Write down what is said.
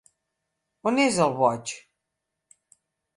On és el boig?